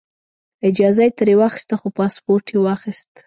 اجازه یې ترې واخیسته خو پاسپورټ یې واخیست.